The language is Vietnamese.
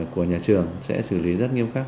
của nhà trường sẽ xử lý rất nghiêm khắc